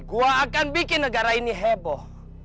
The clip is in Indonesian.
gue akan bikin negara ini heboh